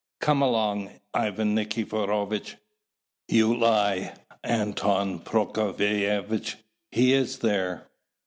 "Come along, Ivan Nikiforovitch!" "You lie, Anton Prokofievitch! he is there!"